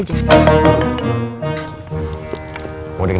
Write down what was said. gimana mau diancam